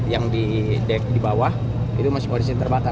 yang di deck di bawah itu masih posisi terbakar